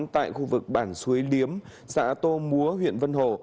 tại khu vực bản suối liếm xã tô múa huyện vân hồ